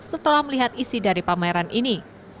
setelah melihat isi dari pameran ini